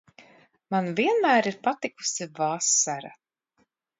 Man vienmēr ir patikusi vasara.